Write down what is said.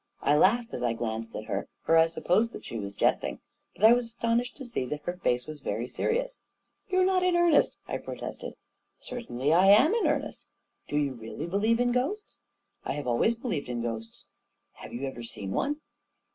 I laughed as I glanced at her, for I supposed that she was jesting; but I was astonished to see that her face was very serious. 44 You're not in earnest !" I protested. 44 Certainly I am in earnest !" 44 Do you really believe in ghosts ?" 44 1 have always believed in ghosts." 44 Have you ever seen one